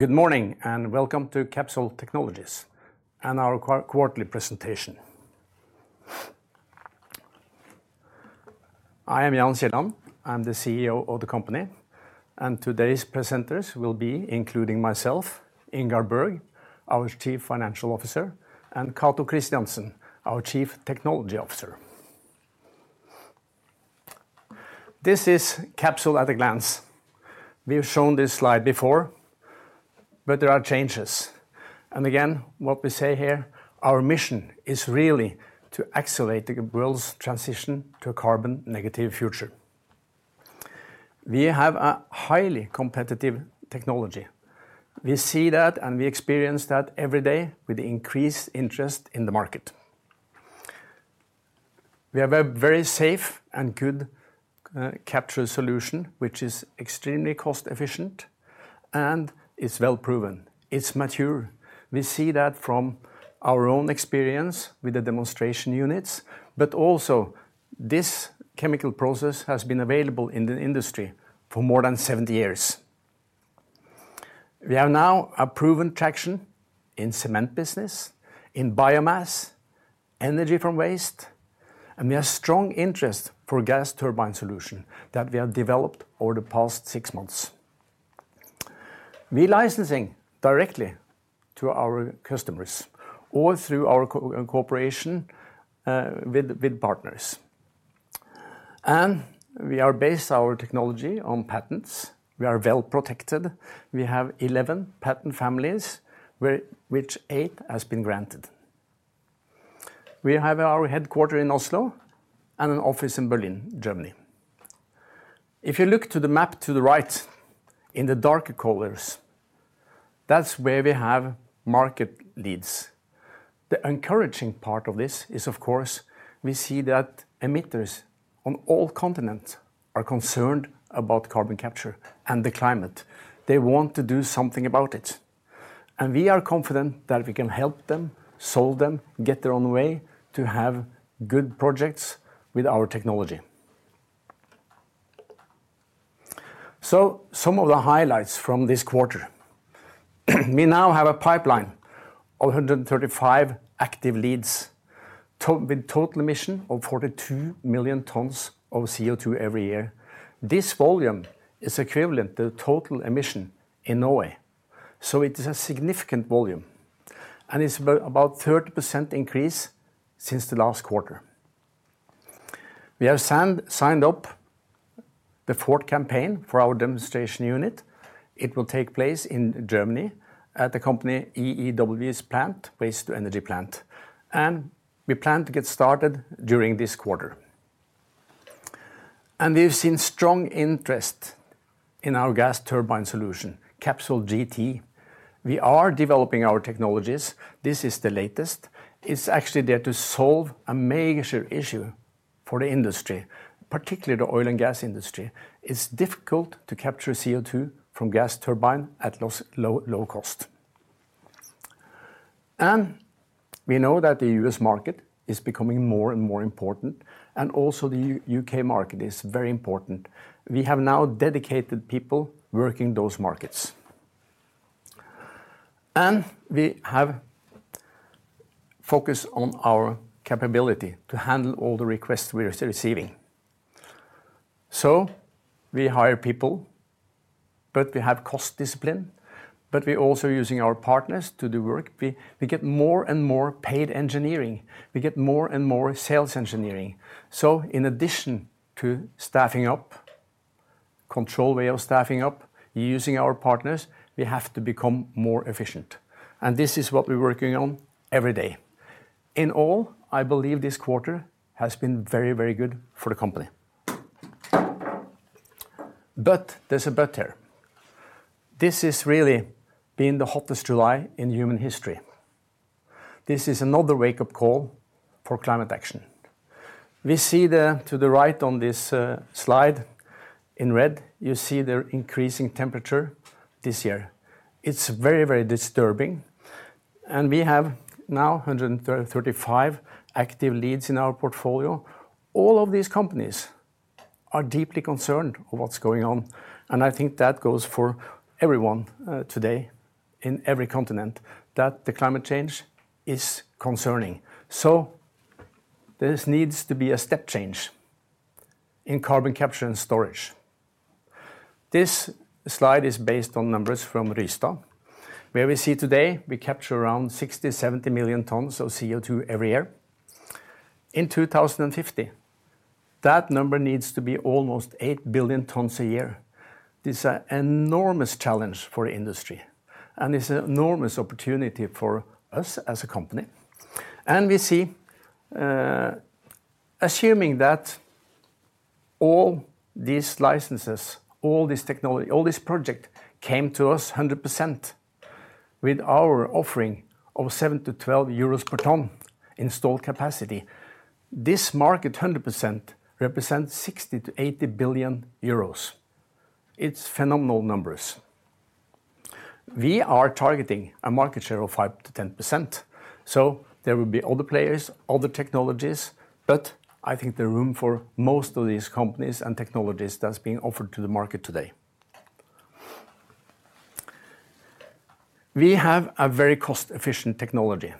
Good morning, and welcome to Capsol Technologies, and our quarterly presentation. I am Jan Kielland. I'm the CEO of the company, and today's presenters will be, including myself, Inger Berg, our Chief Financial Officer, and Cato Christensen, our Chief Technology Officer. This is Capsol at a glance. We've shown this slide before, but there are changes. Again, what we say here, our mission is really to accelerate the world's transition to a carbon negative future. We have a highly competitive technology. We see that, and we experience that every day with increased interest in the market. We have a very safe and good capture solution, which is extremely cost efficient, and it's well proven. It's mature. We see that from our own experience with the demonstration units, but also this chemical process has been available in the industry for more than 70 years. We have now a proven traction in cement business, in biomass, energy from waste, and we have strong interest for gas turbine solution that we have developed over the past six months. We're licensing directly to our customers or through our co- cooperation with partners. We are based our technology on patents. We are well protected. We have 11 patent families, which eight has been granted. We have our headquarter in Oslo and an office in Berlin, Germany. If you look to the map to the right, in the darker colors, that's where we have market leads. The encouraging part of this is, of course, we see that emitters on all continents are concerned about carbon capture and the climate. They want to do something about it. We are confident that we can help them, solve them, get their own way to have good projects with our technology. Some of the highlights from this quarter. We now have a pipeline of 135 active leads with total emission of 42 million tons of CO2 every year. This volume is equivalent to the total emission in Norway, so it is a significant volume, and it's about 30% increase since the last quarter. We have signed up the 4th campaign for our demonstration unit. It will take place in Germany at the company EEW's plant, waste-to-energy plant, and we plan to get started during this quarter. We've seen strong interest in our gas turbine solution, Capsol GT. We are developing our technologies. This is the latest. It's actually there to solve a major issue for the industry, particularly the oil and gas industry. It's difficult to capture CO2 from gas turbine at low, low cost. We know that the US market is becoming more and more important, and also the UK market is very important. We have now dedicated people working those markets. We have focused on our capability to handle all the requests we're receiving. We hire people, but we have cost discipline, but we're also using our partners to do work. We, we get more and more paid engineering. We get more and more sales engineering. In addition to staffing up, controlled way of staffing up, using our partners, we have to become more efficient. This is what we're working on every day. In all, I believe this quarter has been very, very good for the company. There's a but here. This has really been the hottest July in human history. This is another wake-up call for climate action. We see the, to the right on this, slide, in red, you see the increasing temperature this year. It's very, very disturbing, and we have now 135 active leads in our portfolio. All of these companies are deeply concerned of what's going on, and I think that goes for everyone, today, in every continent, that the climate change is concerning. This needs to be a step change in carbon capture and storage. This slide is based on numbers from Rystad, where we see today we capture around 60, 70 million tons of CO2 every year. In 2050, that number needs to be almost 8 billion tons a year. This is an enormous challenge for industry, and it's an enormous opportunity for us as a company. We see, assuming that all these licenses, all this technology, all this project came to us 100% with our offering of 7-12 euros per ton installed capacity, this market 100% represents 60 billion-80 billion euros. It's phenomenal numbers. We are targeting a market share of 5%-10%, so there will be other players, other technologies, but I think there's room for most of these companies and technologies that's being offered to the market today...We have a very cost-efficient technology,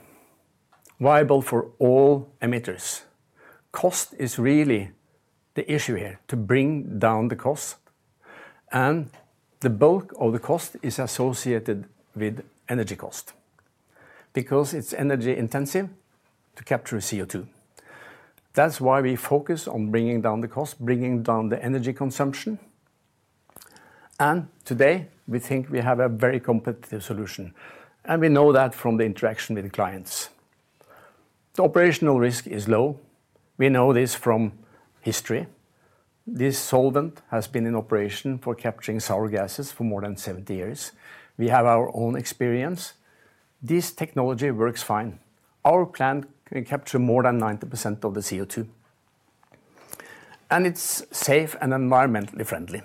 viable for all emitters. Cost is really the issue here, to bring down the cost, and the bulk of the cost is associated with energy cost, because it's energy-intensive to capture CO2. That's why we focus on bringing down the cost, bringing down the energy consumption, and today, we think we have a very competitive solution, and we know that from the interaction with the clients. The operational risk is low. We know this from history. This solvent has been in operation for capturing sour gases for more than 70 years. We have our own experience. This technology works fine. Our plant can capture more than 90% of the CO2, and it's safe and environmentally friendly.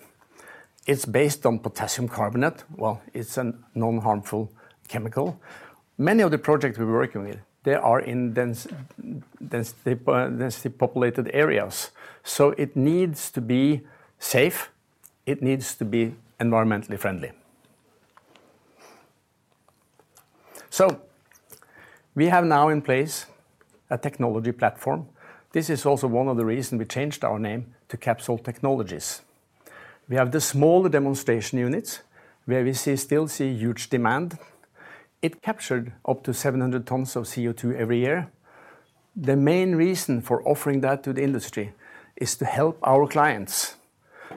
It's based on potassium carbonate. Well, it's a non-harmful chemical. Many of the projects we're working with, they are in dense, densely populated areas, so it needs to be safe, it needs to be environmentally friendly. We have now in place a technology platform. This is also one of the reasons we changed our name to Capsol Technologies. We have the small demonstration units, where we still see huge demand. It captured up to 700 tons of CO2 every year. The main reason for offering that to the industry is to help our clients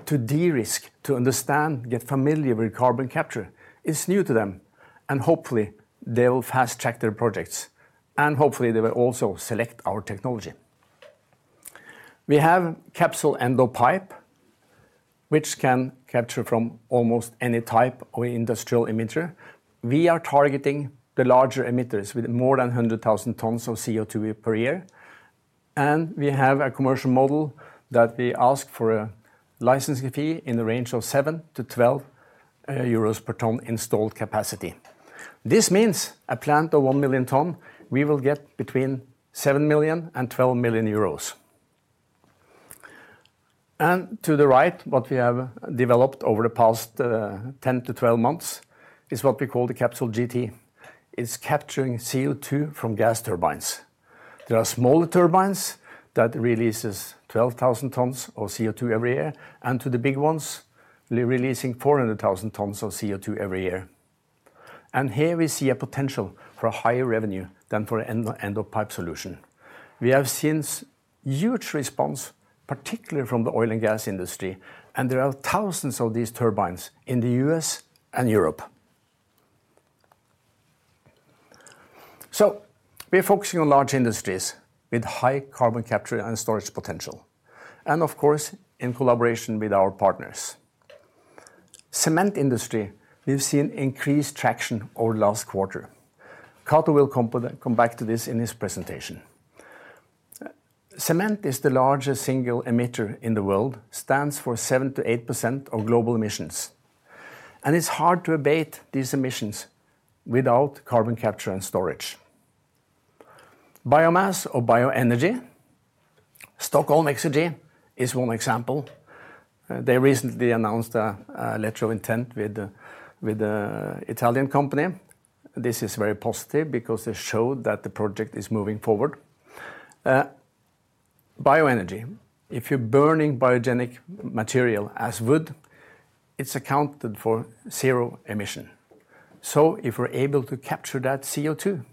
to de-risk, to understand, get familiar with carbon capture. It's new to them, and hopefully, they will fast-track their projects, and hopefully, they will also select our technology. We have CapsolEoP, which can capture from almost any type of industrial emitter. We are targeting the larger emitters with more than 100,000 tons of CO2 per year, and we have a commercial model that we ask for a licensing fee in the range of 7-12 euros per ton installed capacity. This means a plant of 1 million ton, we will get between 7 million and 12 million euros. To the right, what we have developed over the past 10-12 months, is what we call the CapsolGT. It's capturing CO2 from gas turbines. There are smaller turbines that releases 12,000 tons of CO2 every year, and to the big ones, releasing 400,000 tons of CO2 every year. Here we see a potential for a higher revenue than for an EoP solution. We have seen huge response, particularly from the oil and gas industry, and there are thousands of these turbines in the US and Europe. We're focusing on large industries with high carbon capture and storage potential, and of course, in collaboration with our partners. Cement industry, we've seen increased traction over last quarter. Cato will come back to this in his presentation. Cement is the largest single emitter in the world, stands for 7%-8% of global emissions, and it's hard to abate these emissions without carbon capture and storage. Biomass or bioenergy. Stockholm Exergi is one example. They recently announced a letter of intent with an Italian company. This is very positive because it showed that the project is moving forward. Bioenergy, if you're burning biogenic material as wood, it's accounted for zero emission. If we're able to capture that CO2,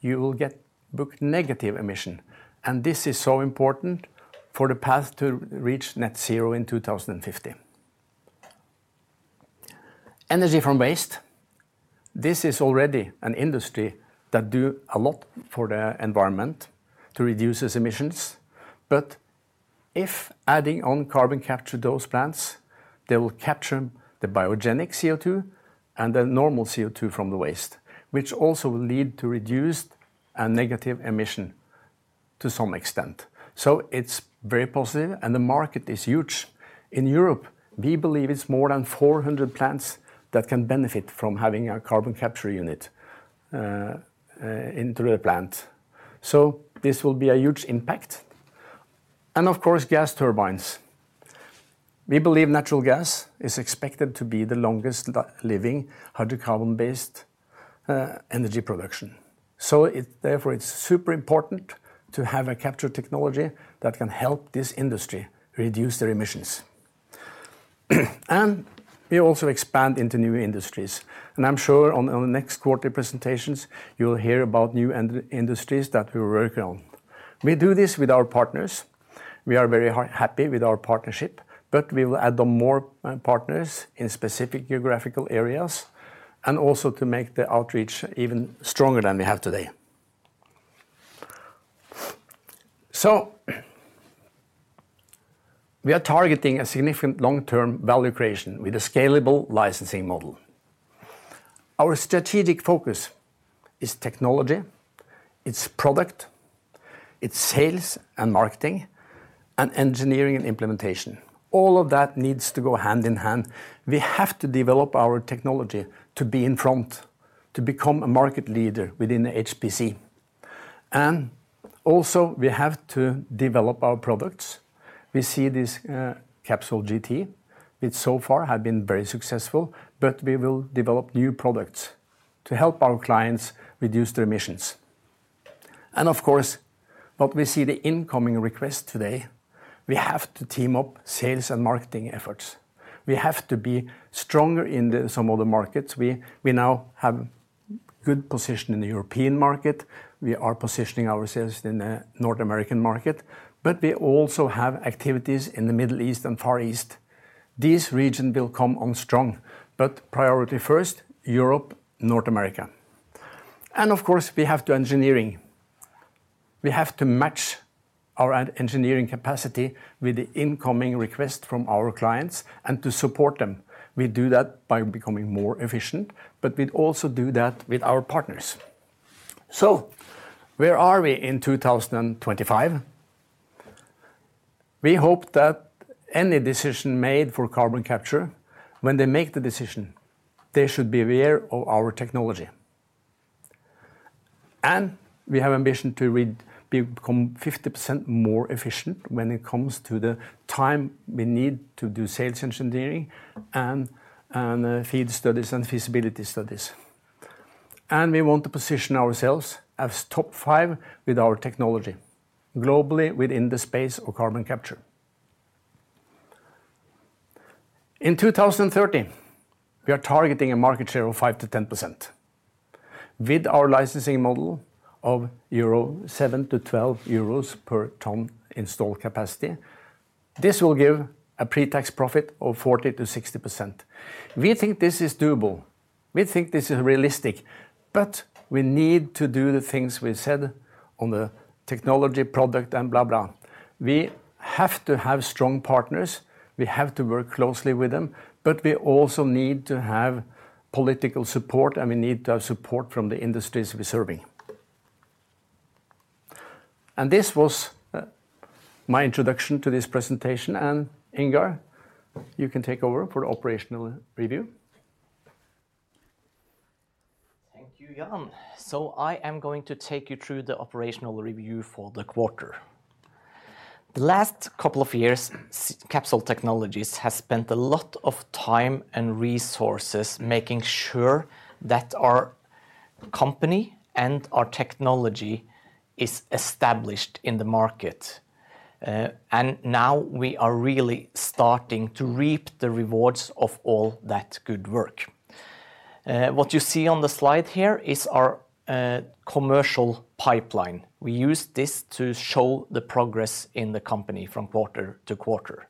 you will get booked negative emission, and this is so important for the path to reach net zero in 2050. Energy from waste. This is already an industry that do a lot for the environment to reduce its emissions, but if adding on carbon capture to those plants, they will capture the biogenic CO2 and the normal CO2 from the waste, which also will lead to reduced and negative emission to some extent. It's very positive, and the market is huge. In Europe, we believe it's more than 400 plants that can benefit from having a carbon capture unit into their plant. This will be a huge impact. Of course, gas turbines. We believe natural gas is expected to be the longest living hydrocarbon-based energy production. Therefore, it's super important to have a capture technology that can help this industry reduce their emissions. We also expand into new industries, and I'm sure on, on the next quarter presentations, you will hear about new industries that we're working on. We do this with our partners. We are very happy with our partnership, we will add on more partners in specific geographical areas, and also to make the outreach even stronger than we have today. We are targeting a significant long-term value creation with a scalable licensing model. Our strategic focus is technology, it's product, it's sales and marketing, and engineering and implementation. All of that needs to go hand in hand. We have to develop our technology to be in front, to become a market leader within the HPC. Also we have to develop our products. We see this CapsolGT, which so far have been very successful. We will develop new products to help our clients reduce their emissions. Of course, what we see the incoming request today, we have to team up sales and marketing efforts. We have to be stronger in the some other markets. We now have good position in the European market. We are positioning ourselves in the North American market. We also have activities in the Middle East and Far East. These region will come on strong. Priority first, Europe, North America. Of course, we have to engineering. We have to match our engineering capacity with the incoming request from our clients and to support them. We do that by becoming more efficient. We also do that with our partners. Where are we in 2025? We hope that any decision made for carbon capture, when they make the decision, they should be aware of our technology. We have ambition to become 50% more efficient when it comes to the time we need to do sales engineering and, and FEED studies and feasibility studies. We want to position ourselves as top five with our technology, globally within the space of carbon capture. In 2030, we are targeting a market share of 5%-10%. With our licensing model of 7-12 euros per ton installed capacity, this will give a pre-tax profit of 40%-60%. We think this is doable. We think this is realistic, but we need to do the things we said on the technology product and blah, blah. We have to have strong partners, we have to work closely with them, but we also need to have political support, and we need to have support from the industries we're serving. This was my introduction to this presentation, and Inger, you can take over for the operational review. Thank you, Jan. I am going to take you through the operational review for the quarter. The last couple of years, Capsol Technologies has spent a lot of time and resources making sure that our company and our technology is established in the market. Now we are really starting to reap the rewards of all that good work. What you see on the slide here is our commercial pipeline. We use this to show the progress in the company from quarter-to-quarter.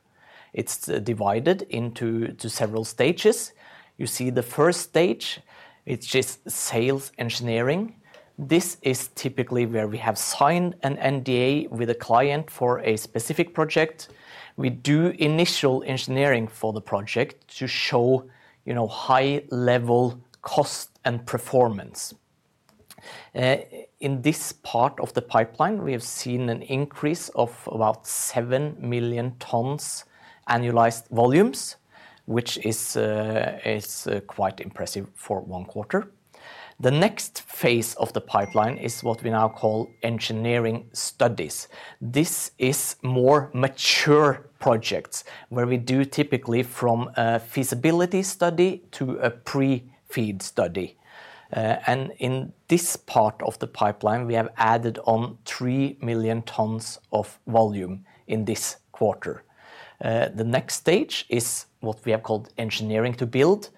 It's divided into several stages. You see the first stage, it's just sales engineering. This is typically where we have signed an NDA with a client for a specific project. We do initial engineering for the project to show, you know, high-level cost and performance. In this part of the pipeline, we have seen an increase of about 7 million tons annualized volumes, which is quite impressive for 1 quarter. The next phase of the pipeline is what we now call engineering studies. This is more mature projects, where we do typically from a feasibility study to a pre-FEED study. In this part of the pipeline, we have added on 3 million tons of volume in this quarter. The next stage is what we have called engineering to build,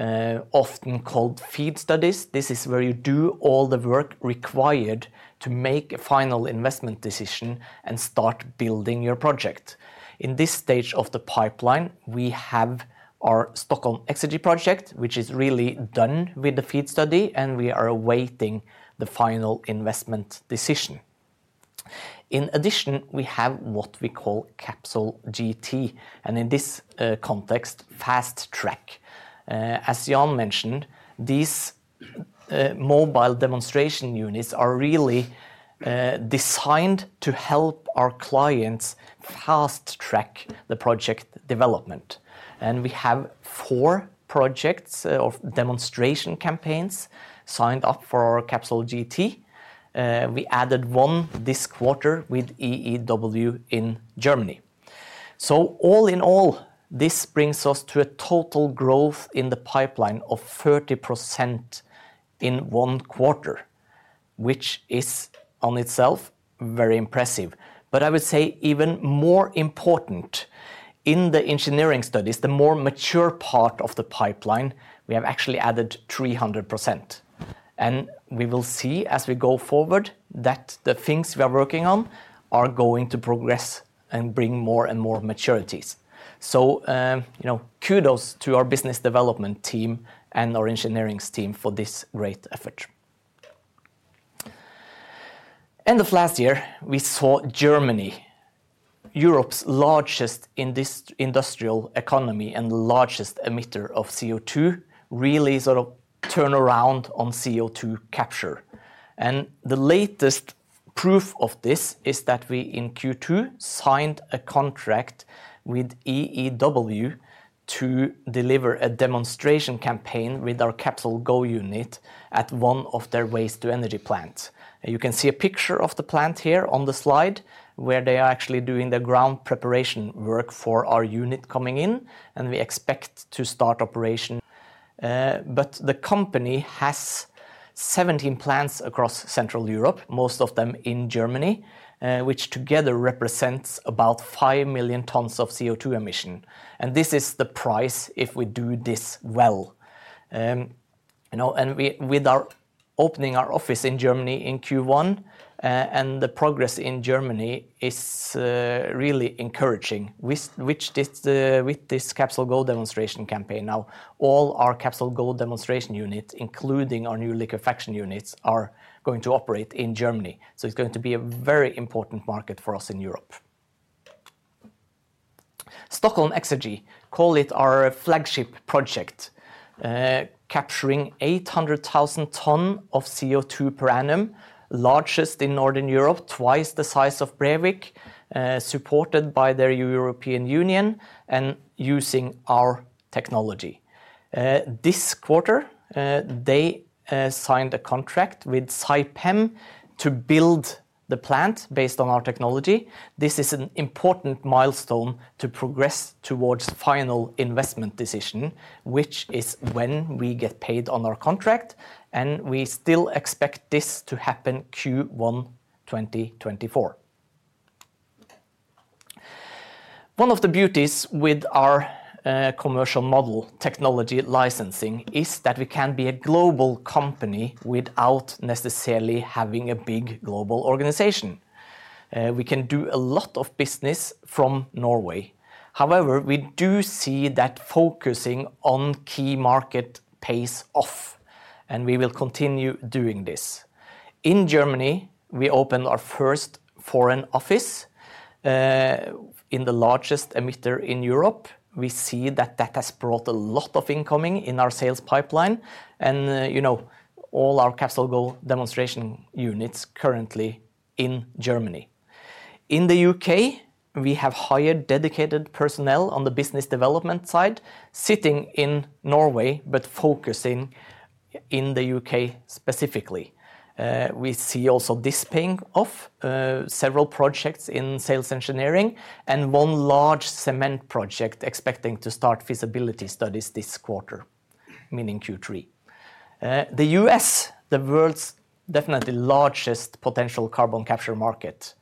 often called FEED studies. This is where you do all the work required to make a final investment decision and start building your project. In this stage of the pipeline, we have our Stockholm Exergi project, which is really done with the FEED study, and we are awaiting the final investment decision. In addition, we have what we call CapsolGT, and in this context, fast track. As Jan mentioned, these mobile demonstration units are really designed to help our clients fast-track the project development. We have 4 projects, of demonstration campaigns, signed up for our CapsolGT. We added 1 this quarter with EEW in Germany. All in all, this brings us to a total growth in the pipeline of 30% in 1 quarter, which is on itself, very impressive. I would say even more important in the engineering studies, the more mature part of the pipeline, we have actually added 300%. We will see as we go forward, that the things we are working on are going to progress and bring more and more maturities. You know, kudos to our business development team and our engineering team for this great effort. End of last year, we saw Germany, Europe's largest industrial economy and the largest emitter of CO2, really sort of turn around on CO2 capture. The latest proof of this is that we, in Q2, signed a contract with EEW to deliver a demonstration campaign with our CapsolGo unit at one of their waste-to-energy plants. You can see a picture of the plant here on the slide, where they are actually doing the ground preparation work for our unit coming in, and we expect to start operation. The company has 17 plants across Central Europe, most of them in Germany, which together represents about 5 million tons of CO2 emission. This is the price if we do this well. You know, with our opening our office in Germany in Q1, and the progress in Germany is really encouraging, which this with this CapsolGo demonstration campaign. All our CapsolGo demonstration units, including our new liquefaction units, are going to operate in Germany. It's going to be a very important market for us in Europe. Stockholm Exergi, call it our flagship project, capturing 800,000 tons of CO2 per annum, largest in Northern Europe, twice the size of Brevik, supported by the European Union and using our technology. This quarter, they signed a contract with Saipem to build the plant based on our technology. This is an important milestone to progress towards final investment decision, which is when we get paid on our contract, we still expect this to happen Q1 2024. One of the beauties with our commercial model, technology licensing, is that we can be a global company without necessarily having a big global organization. We can do a lot of business from Norway. However, we do see that focusing on key market pays off, and we will continue doing this. In Germany, we opened our first foreign office in the largest emitter in Europe. We see that that has brought a lot of incoming in our sales pipeline and, you know, all our CapsolGo demonstration units currently in Germany. In the UK, we have hired dedicated personnel on the business development side, sitting in Norway, but focusing in the UK specifically. We see also this paying off, several projects in sales engineering, and one large cement project expecting to start feasibility studies this quarter, meaning Q3. The U.S., the world's definitely largest potential carbon capture market.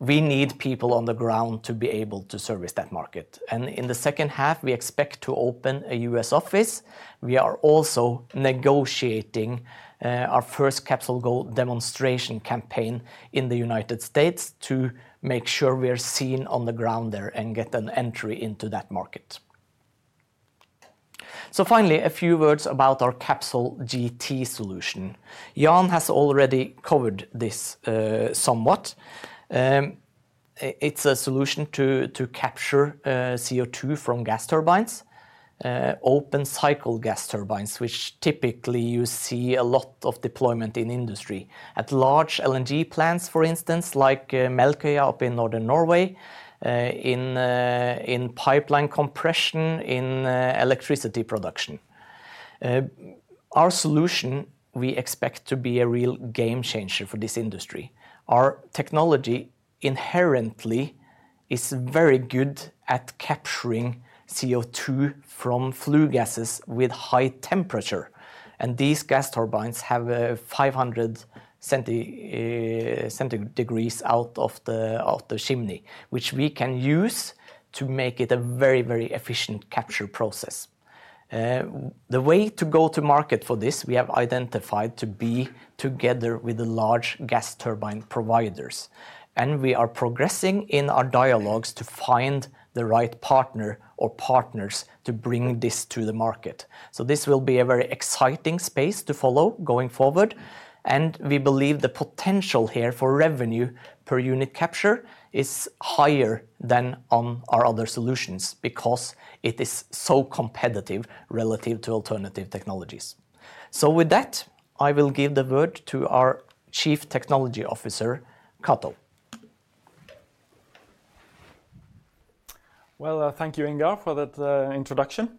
We need people on the ground to be able to service that market, and in the second half, we expect to open a U.S. office. We are also negotiating our first CapsolGo demonstration campaign in the United States to make sure we are seen on the ground there and get an entry into that market. Finally, a few words about our CapsolGT solution. Jan has already covered this somewhat. It's a solution to capture CO2 from gas turbines, open-cycle gas turbines, which typically you see a lot of deployment in industry. At large LNG plants, for instance, like Melkøya up in Northern Norway, in pipeline compression, in electricity production. Our solution, we expect to be a real game changer for this industry. Our technology inherently is very good at capturing CO2 from flue gases with high temperature, and these gas turbines have a 500 centi degrees out of the chimney, which we can use to make it a very, very efficient capture process. The way to go to market for this, we have identified to be together with the large gas turbine providers, and we are progressing in our dialogues to find the right partner or partners to bring this to the market. This will be a very exciting space to follow going forward, and we believe the potential here for revenue per unit capture is higher than on our other solutions because it is so competitive relative to alternative technologies. With that, I will give the word to our Chief Technology Officer, Cato. Well, thank you, Inger, for that introduction.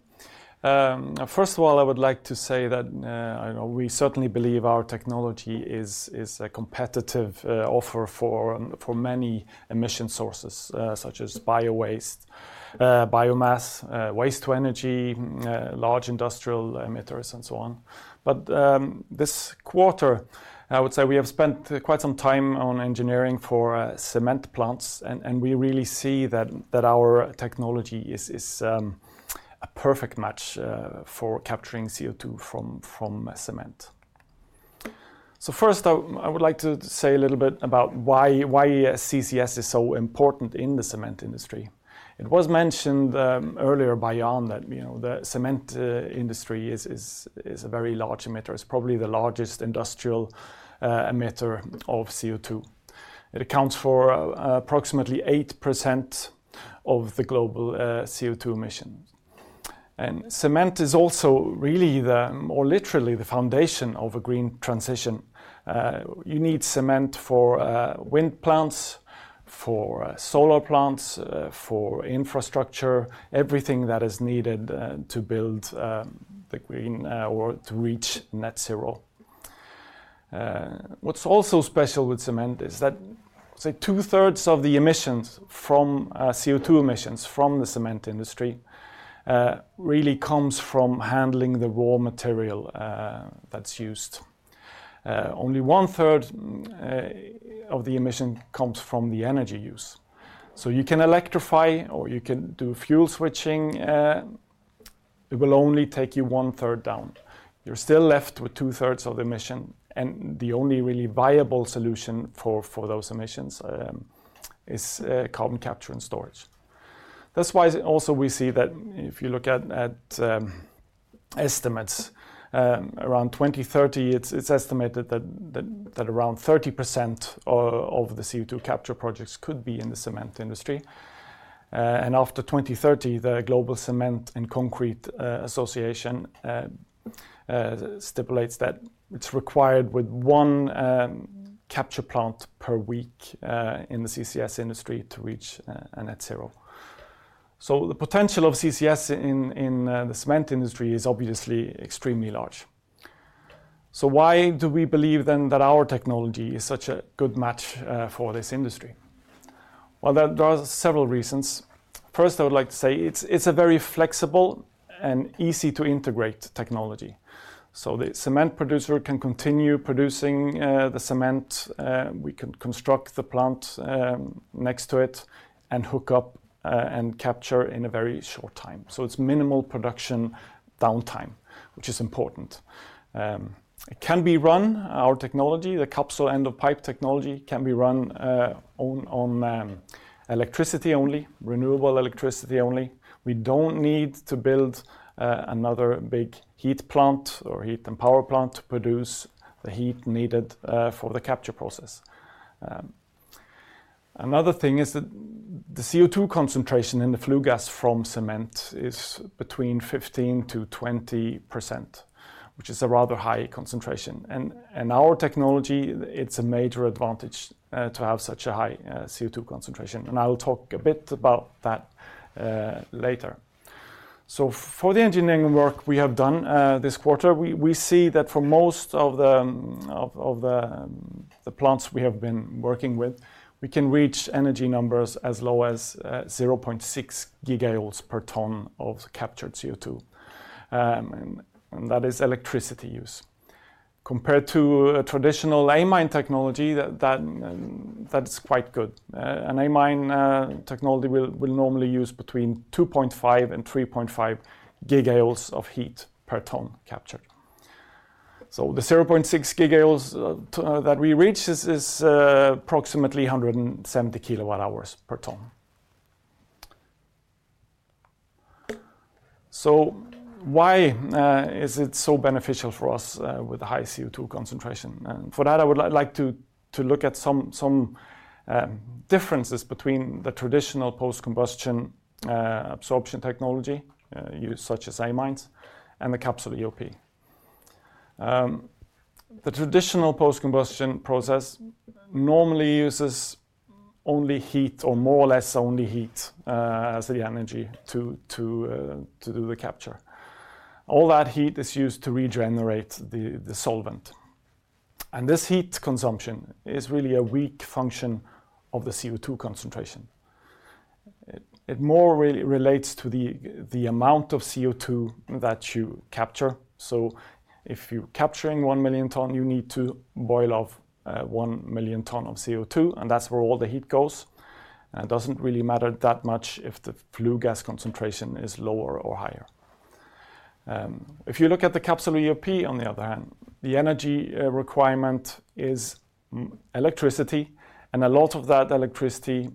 First of all, I would like to say that, you know, we certainly believe our technology is, is a competitive offer for, for many emission sources, such as biowaste, biomass, waste-to-energy, large industrial emitters, and so on. This quarter, I would say we have spent quite some time on engineering for cement plants, and we really see that, that our technology is, is a perfect match for capturing CO2 from, from cement. First, I, I would like to say a little bit about why, why CCS is so important in the cement industry. It was mentioned earlier by Jan that, you know, the cement industry is, is, is a very large emitter. It's probably the largest industrial emitter of CO2. It accounts for approximately 8% of the global CO2 emission. Cement is also really the, or literally the foundation of a green transition. You need cement for wind plants, for solar plants, for infrastructure, everything that is needed to build the green or to reach net zero. What's also special with cement is that, say, 2/3 of the emissions from CO2 emissions from the cement industry really comes from handling the raw material that's used. Only 1/3 of the emission comes from the energy use. You can electrify, or you can do fuel switching, it will only take you 1/3 down. You're still left with 2/3 of the emission, and the only really viable solution for, for those emissions is carbon capture and storage. That's why also we see that if you look at, at estimates, around 2030, it's, it's estimated that, that, that around 30% of, of the CO2 capture projects could be in the cement industry. After 2030, the Global Cement and Concrete Association stipulates that it's required with 1 capture plant per week in the CCS industry to reach a net zero. The potential of CCS in the cement industry is obviously extremely large. Why do we believe then that our technology is such a good match for this industry? Well, there are several reasons. First, I would like to say, it's, it's a very flexible and easy-to-integrate technology. The cement producer can continue producing the cement, we can construct the plant next to it and hook up and capture in a very short time. It's minimal production downtime, which is important. It can be run, our technology, the Capsol end of pipe technology, can be run on electricity only, renewable electricity only. We don't need to build another big heat plant or heat and power plant to produce the heat needed for the capture process. Another thing is that the CO2 concentration in the flue gas from cement is between 15%-20%, which is a rather high concentration, and our technology, it's a major advantage to have such a high CO2 concentration. I will talk a bit about that later. For the engineering work we have done, this quarter, we, we see that for most of the, of, of the plants we have been working with, we can reach energy numbers as low as 0.6 gigajoules per ton of captured CO2, and that is electricity use. Compared to a traditional amine technology, that's quite good. An amine technology will normally use between 2.5 and 3.5 gigajoules of heat per ton captured. The 0.6 gigajoules that we reach is approximately 170 kW hours per ton. Why is it so beneficial for us with the high CO2 concentration? For that, I would like to, to look at some, some, differences between the traditional post-combustion, absorption technology, used such as amines, and the CapsolEoP. The traditional post-combustion process normally uses only heat, or more or less, only heat, as the energy to do the capture. All that heat is used to regenerate the, the solvent. This heat consumption is really a weak function of the CO2 concentration. It, it more really relates to the, the amount of CO2 that you capture. If you're capturing 1 million tons, you need to boil off, 1 million tons of CO2, and that's where all the heat goes. It doesn't really matter that much if the flue gas concentration is lower or higher. If you look at the CapsolEoP, on the other hand, the energy requirement is electricity, and a lot of that electricity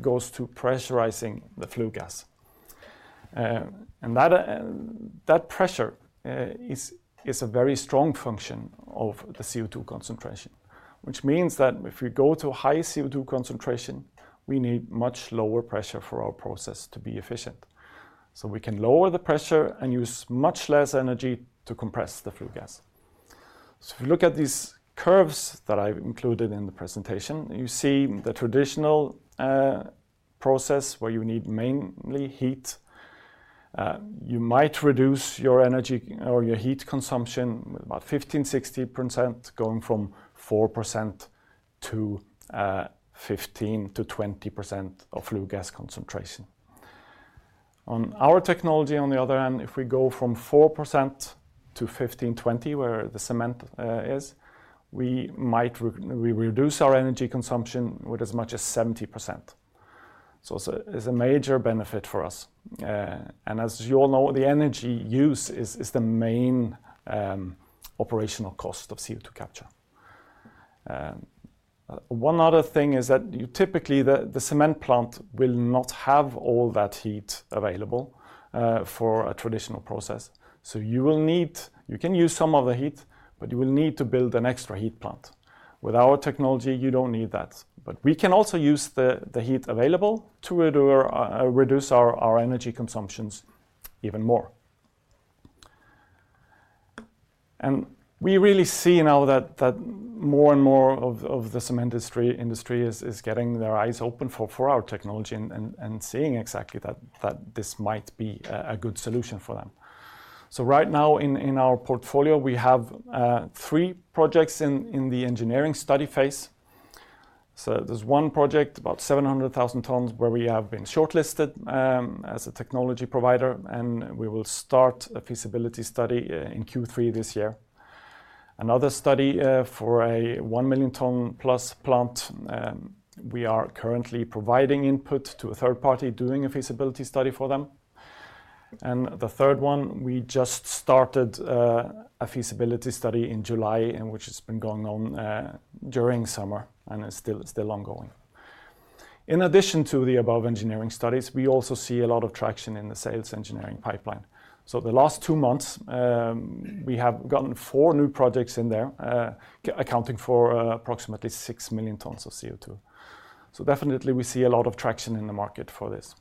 goes to pressurizing the flue gas. And that pressure is a very strong function of the CO2 concentration, which means that if we go to a high CO2 concentration, we need much lower pressure for our process to be efficient. We can lower the pressure and use much less energy to compress the flue gas. If you look at these curves that I've included in the presentation, you see the traditional process, where you need mainly heat. You might reduce your energy or your heat consumption by 15%-60%, going from 4% to 15%-20% of flue gas concentration. On our technology, on the other hand, if we go from 4% to 15, 20, where the cement is, we might reduce our energy consumption with as much as 70%. It's a, it's a major benefit for us. As you all know, the energy use is, is the main operational cost of CO2 capture. One other thing is that you typically, the, the cement plant will not have all that heat available for a traditional process. You can use some of the heat, but you will need to build an extra heat plant. With our technology, you don't need that. We can also use the, the heat available to reduce our, our energy consumptions even more. We really see now that, that more and more of, of the cement industry, industry is, is getting their eyes open for, for our technology and, and, and seeing exactly that, that this might be a, a good solution for them. Right now in, in our portfolio, we have three projects in, in the engineering study phase. There's one project, about 700,000 tons, where we have been shortlisted as a technology provider, and we will start a feasibility study in Q3 this year. Another study for a 1 million ton plus plant, we are currently providing input to a third party, doing a feasibility study for them. The third one, we just started a feasibility study in July, and which has been going on during summer, and it's still, still ongoing. In addition to the above engineering studies, we also see a lot of traction in the sales engineering pipeline. The last 2 months, we have gotten 4 new projects in there, accounting for approximately 6 million tons of CO2. Definitely we see a lot of traction in the market for this.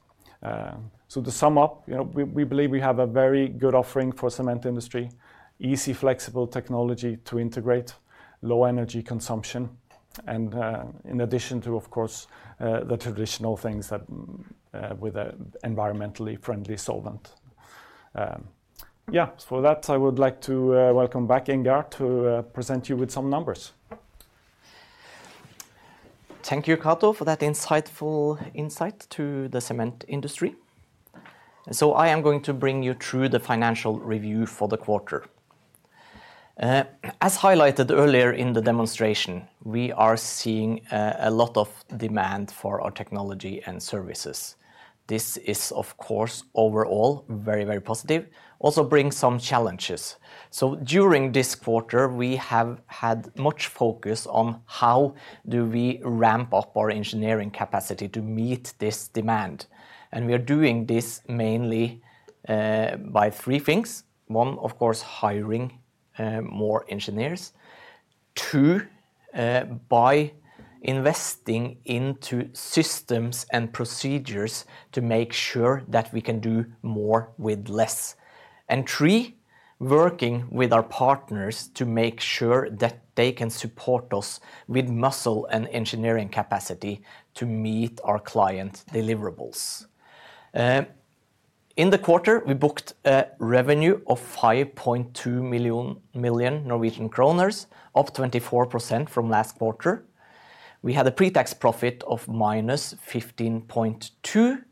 To sum up, you know, we, we believe we have a very good offering for cement industry, easy, flexible technology to integrate, low energy consumption, and, in addition to, of course, the traditional things that, with an environmentally friendly solvent. Yeah, for that, I would like to welcome back Inger to present you with some numbers. Thank you, Cato, for that insightful insight to the cement industry. I am going to bring you through the financial review for the quarter. As highlighted earlier in the demonstration, we are seeing a lot of demand for our technology and services. This is, of course, overall, very, very positive, also bring some challenges. During this quarter, we have had much focus on how do we ramp up our engineering capacity to meet this demand, and we are doing this mainly by three things. One, of course, hiring more engineers. Two, by investing into systems and procedures to make sure that we can do more with less. Three, working with our partners to make sure that they can support us with muscle and engineering capacity to meet our client deliverables. In the quarter, we booked a revenue of 5.2 million Norwegian kroner, million, up 24% from last quarter. We had a pre-tax profit of -15.2,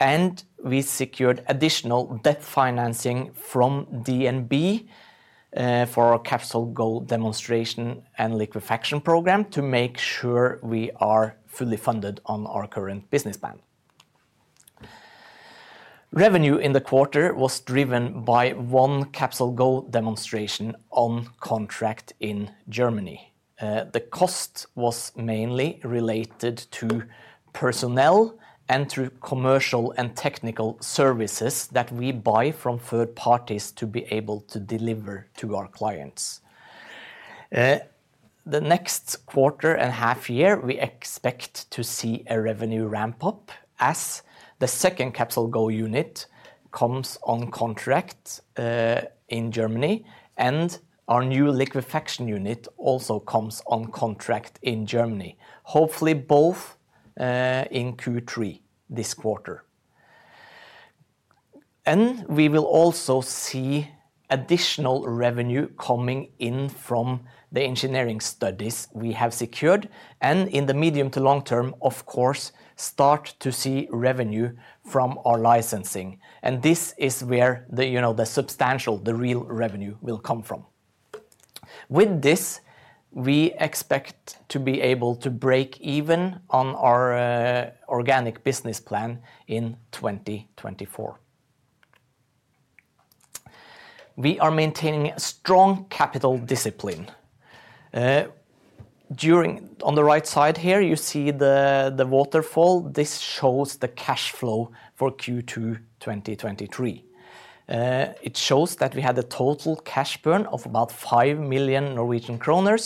and we secured additional debt financing from DNB for our CapsolGo demonstration and liquefaction program to make sure we are fully funded on our current business plan. Revenue in the quarter was driven by one CapsolGo demonstration on contract in Germany. The cost was mainly related to personnel and through commercial and technical services that we buy from third parties to be able to deliver to our clients. The next quarter and half year, we expect to see a revenue ramp up as the second CapsolGo unit comes on contract in Germany, and our new liquefaction unit also comes on contract in Germany, hopefully both in Q3 this quarter. We will also see additional revenue coming in from the engineering studies we have secured, and in the medium to long term, of course, start to see revenue from our licensing. This is where the, you know, the substantial, the real revenue will come from. With this, we expect to be able to break even on our organic business plan in 2024. We are maintaining strong capital discipline. On the right side here, you see the, the waterfall. This shows the cash flow for Q2 2023. It shows that we had a total cash burn of about 5 million Norwegian kroner.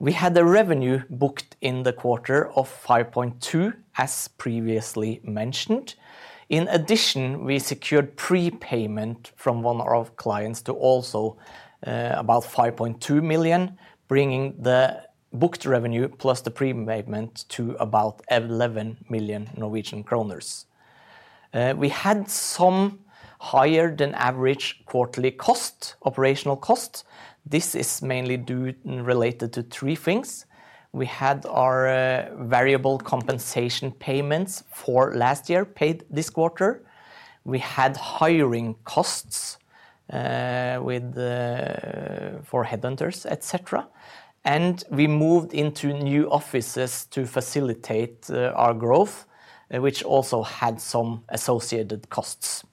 We had the revenue booked in the quarter of 5.2 million, as previously mentioned. In addition, we secured prepayment from one of our clients to also, about 5.2 million, bringing the booked revenue plus the prepayment to about 11 million Norwegian kroner. We had some higher than average quarterly cost, operational cost. This is mainly related to 3 things. We had our variable compensation payments for last year paid this quarter. We had hiring costs with for headhunters, et cetera. We moved into new offices to facilitate our growth, which also had some associated costs.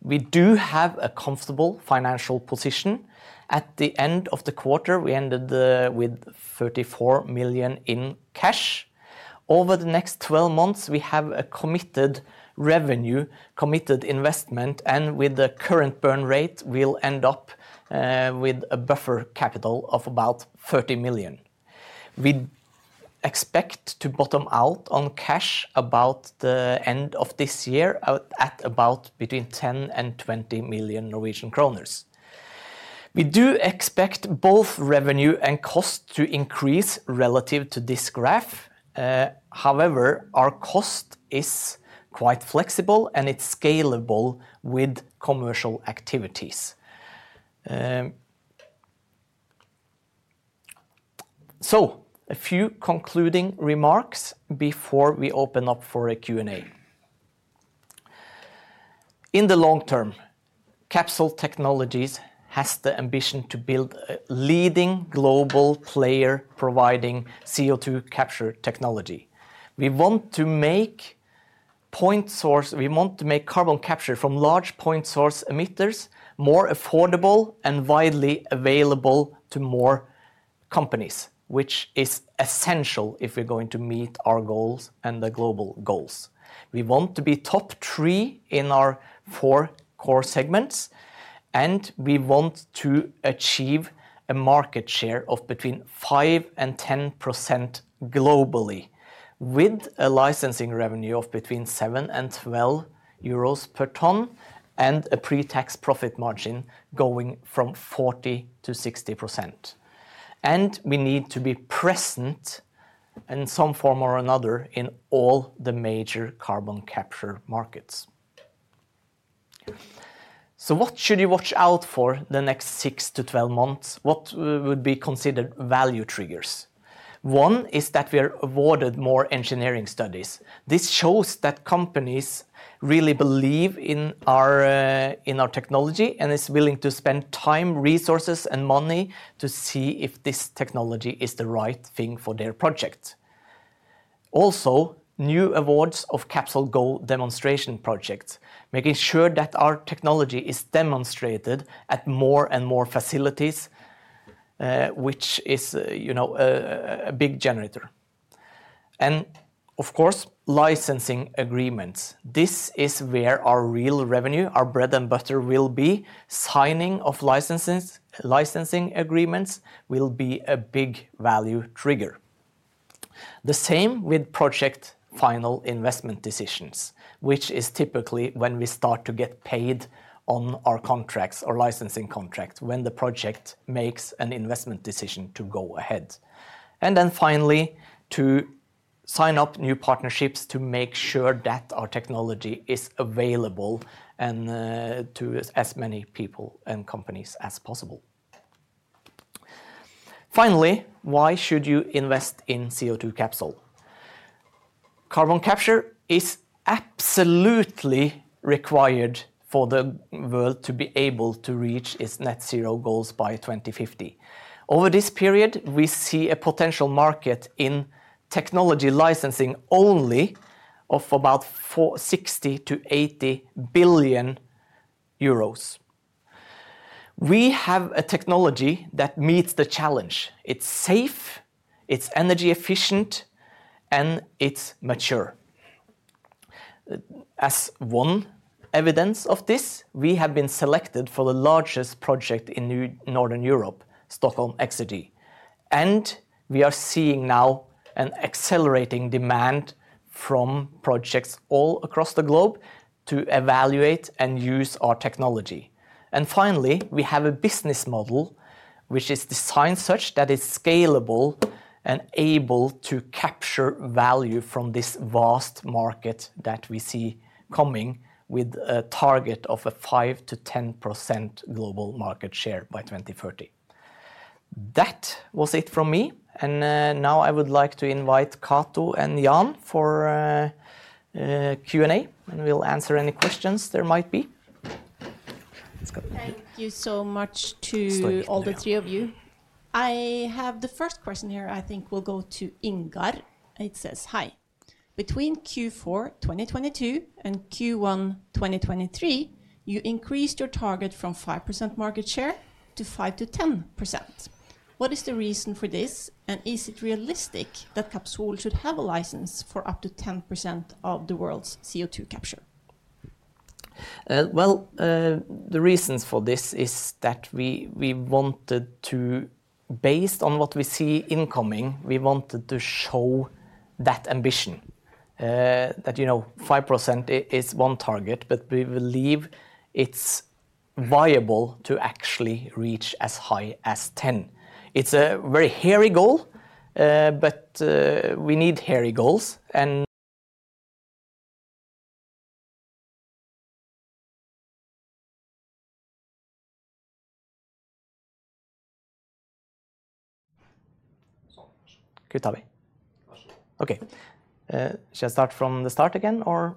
We do have a comfortable financial position. At the end of the quarter, we ended with 34 million in cash. Over the next 12 months, we have a committed revenue, committed investment, and with the current burn rate, we'll end up with a buffer capital of about 30 million. expect to bottom out on cash about the end of this year, between 10 million and 20 million Norwegian kroner. We do expect both revenue and cost to increase relative to this graph. However, our cost is quite flexible, and it's scalable with commercial activities. A few concluding remarks before we open up for a Q&A. In the long term, Capsol Technologies has the ambition to build a leading global player providing CO2 capture technology. We want to make carbon capture from large point source emitters more affordable and widely available to more companies, which is essential if we're going to meet our goals and the global goals. We want to be top three in our four core segments, and we want to achieve a market share of between 5% and 10% globally, with a licensing revenue of between 7 and 12 euros per ton, and a pre-tax profit margin going from 40%-60%. We need to be present in some form or another in all the major carbon capture markets. What should you watch out for the next 6 to 12 months? What would be considered value triggers? One is that we are awarded more engineering studies. This shows that companies really believe in our technology, and is willing to spend time, resources, and money to see if this technology is the right thing for their project. New awards of CapsolGo demonstration projects, making sure that our technology is demonstrated at more and more facilities, which is, you know, a big generator. Of course, licensing agreements. This is where our real revenue, our bread and butter, will be. Signing of licensing agreements will be a big value trigger. The same with project final investment decisions, which is typically when we start to get paid on our contracts or licensing contracts, when the project makes an investment decision to go ahead. Then finally, to sign up new partnerships to make sure that our technology is available and to as many people and companies as possible. Why should you invest in CO2 Capsol? Carbon capture is absolutely required for the world to be able to reach its net zero goals by 2050. Over this period, we see a potential market in technology licensing only of about 60 billion-80 billion euros. We have a technology that meets the challenge. It's safe, it's energy efficient, and it's mature. As one evidence of this, we have been selected for the largest project in Northern Europe, Stockholm Exergi, and we are seeing now an accelerating demand from projects all across the globe to evaluate and use our technology. Finally, we have a business model which is designed such that it's scalable and able to capture value from this vast market that we see coming, with a target of a 5%-10% global market share by 2030. That was it from me. Now I would like to invite Cato and Jan for a Q&A. We'll answer any questions there might be. Let's go. Thank you so much. Sorry... all the three of you. I have the first question here, I think will go to Inger. It says: "Hi. Between Q4 2022 and Q1 2023, you increased your target from 5% market share to 5%-10%. What is the reason for this, and is it realistic that Capsol should have a license for up to 10% of the world's CO2 capture? Well, the reasons for this is that we, we wanted to. Based on what we see incoming, we wanted to show that ambition, that, you know, 5% is one target, but we believe it's viable to actually reach as high as 10. It's a very hairy goal, but we need hairy goals. Okay. Should I start from the start again, or? Uh-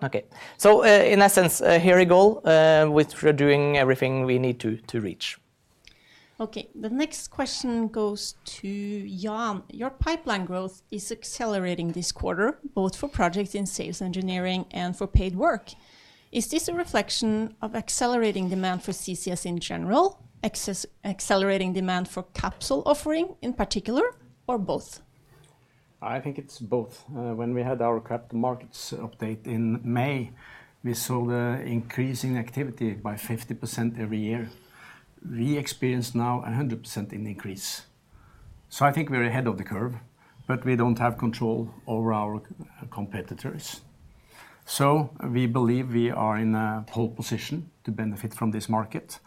Okay. So, in essence, a hairy goal, with we're doing everything we need to, to reach. Okay, the next question goes to Jan. Your pipeline growth is accelerating this quarter, both for projects in sales engineering and for paid work. Is this a reflection of accelerating demand for CCS in general, accelerating demand for Capsol offering in particular, or both?... I think it's both. When we had our capital markets update in May, we saw the increase in activity by 50% every year. We experience now a 100% in increase, so I think we're ahead of the curve, but we don't have control over our competitors. We believe we are in a pole position to benefit from this market.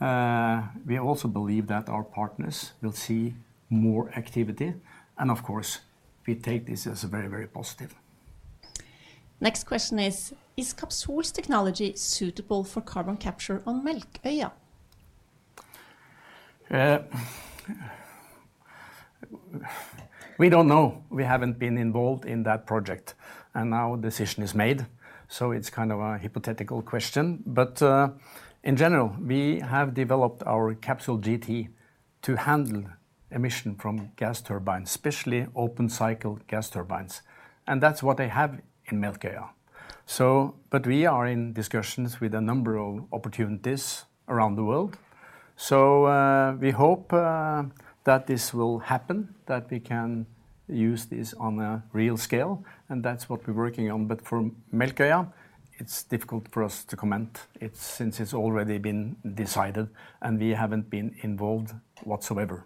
We also believe that our partners will see more activity. Of course, we take this as very, very positive. Next question is: Is Capsol's technology suitable for carbon capture on Melkøya? We don't know. We haven't been involved in that project. Now a decision is made, so it's kind of a hypothetical question. In general, we have developed our CapsolGT to handle emission from gas turbines, especially open-cycle gas turbines. That's what they have in Melkøya. We are in discussions with a number of opportunities around the world, so we hope that this will happen, that we can use this on a real scale. That's what we're working on. For Melkøya, it's difficult for us to comment. It's since it's already been decided, we haven't been involved whatsoever.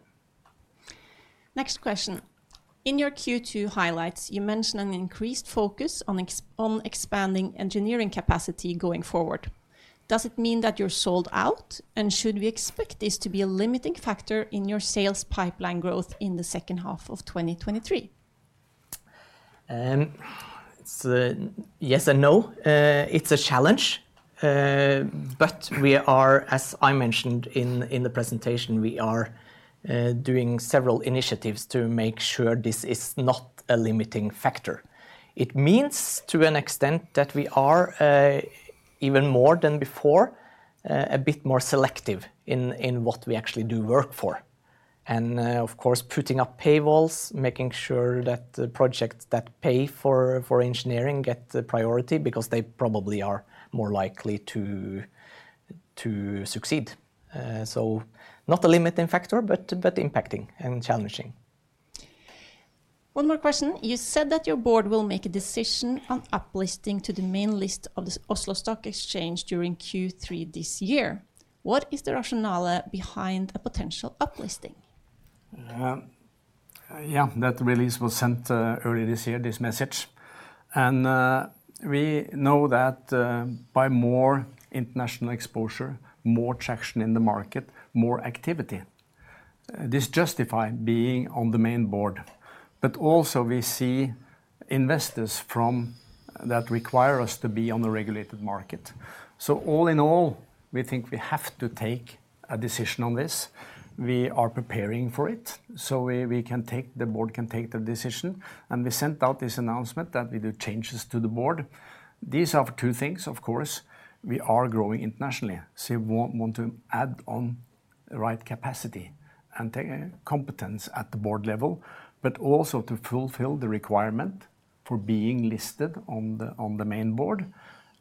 Next question: In your Q2 highlights, you mentioned an increased focus on expanding engineering capacity going forward. Does it mean that you're sold out, and should we expect this to be a limiting factor in your sales pipeline growth in the second half of 2023? It's, yes and no. It's a challenge, but we are, as I mentioned in, in the presentation, we are doing several initiatives to make sure this is not a limiting factor. It means, to an extent, that we are even more than before, a bit more selective in, in what we actually do work for. Of course, putting up paywalls, making sure that the projects that pay for, for engineering get the priority because they probably are more likely to, to succeed. Not a limiting factor, but impacting and challenging. One more question: You said that your board will make a decision on uplisting to the main list of the Oslo Stock Exchange during Q3 this year. What is the rationale behind a potential uplisting? Yeah, that release was sent earlier this year, this message. We know that by more international exposure, more traction in the market, more activity, this justify being on the main board. Also we see investors from... that require us to be on the regulated market. All in all, we think we have to take a decision on this. We are preparing for it, so the board can take the decision, and we sent out this announcement that we do changes to the board. These are two things, of course, we are growing internationally, so we want to add on the right capacity and take competence at the board level, but also to fulfill the requirement for being listed on the main board.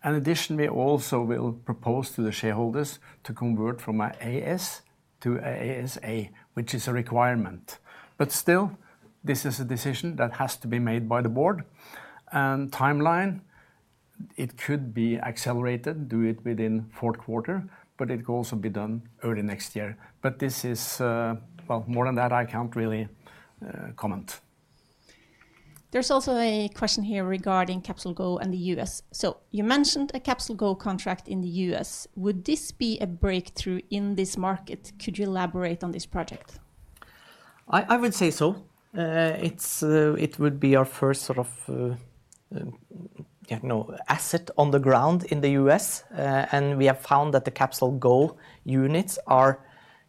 Additionally, we also will propose to the shareholders to convert from a AS to ASA, which is a requirement. Still, this is a decision that has to be made by the board. Timeline, it could be accelerated, do it within fourth quarter, but it could also be done early next year. This is... well, more than that, I can't really comment. There's also a question here regarding CapsolGo and the US. You mentioned a CapsolGo contract in the US. Would this be a breakthrough in this market? Could you elaborate on this project? I, I would say so. It's, it would be our first sort of, you know, asset on the ground in the U.S. We have found that the CapsolGo units are,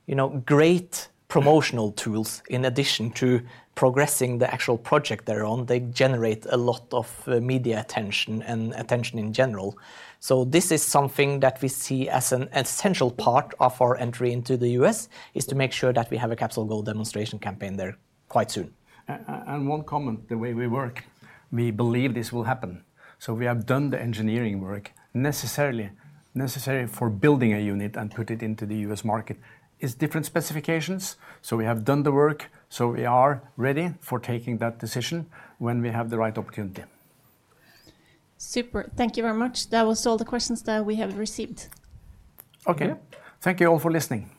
you know, great promotional tools. In addition to progressing the actual project they're on, they generate a lot of media attention and attention in general. This is something that we see as an essential part of our entry into the U.S., is to make sure that we have a CapsolGo demonstration campaign there quite soon. One comment, the way we work, we believe this will happen. We have done the engineering work necessarily, necessary for building a unit and put it into the US market. It's different specifications, so we have done the work, so we are ready for taking that decision when we have the right opportunity. Super. Thank you very much. That was all the questions that we have received. Okay. Yeah. Thank you all for listening.